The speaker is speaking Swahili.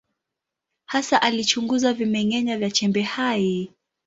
Hasa alichunguza vimeng’enya vya chembe hai.